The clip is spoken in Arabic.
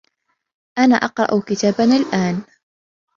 أنا أقرأ كتابا الآن.